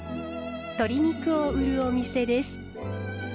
鶏肉を売るお店です。